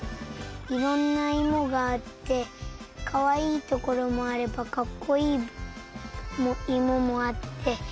いろんないもがあってかわいいところもあればかっこいいいももあってよかったです。